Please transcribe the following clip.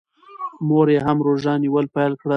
مور یې هم روژه نیول پیل کړل.